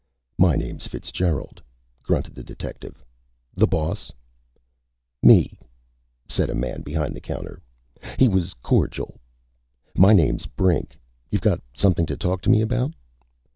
"My name's Fitzgerald," grunted the detective. "The boss?" "Me," said the man behind the counter. He was cordial. "My name's Brink. You've got something to talk to me about?"